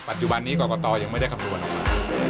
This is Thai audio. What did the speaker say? ปัจจุบันนี้กรกษ์ก่อนต่อยังไม่ได้คำนวนออกมา